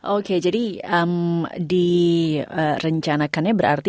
oke jadi direncanakannya berarti